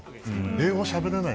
英語しゃべれない。